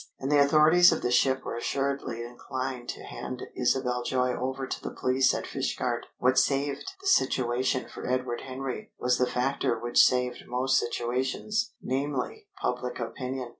And the authorities of the ship were assuredly inclined to hand Isabel Joy over to the police at Fishguard. What saved the situation for Edward Henry was the factor which saved most situations, namely, public opinion.